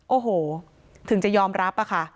โอ้โหถึงจะยอมรับอะค่ะ